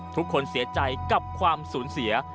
ทุกคนเสียใจกับความสูญเสีย